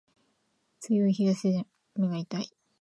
強い日差しで目が痛い